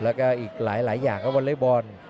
แล้วก็อีกหลายอย่างก็วอเล็กบอล